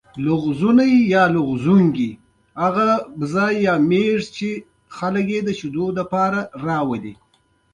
زه هره ورځ تازه مېوه خورم.